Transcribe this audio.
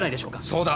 そうだ！